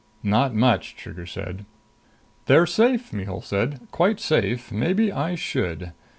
"Not much," Trigger said. "They're safe," Mihul said. "Quite safe. Maybe I should....